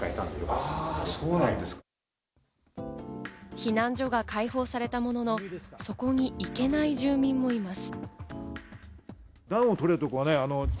避難所が開放されたものの、そこに行けない住民もいます。